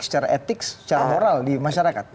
secara etik secara moral di masyarakat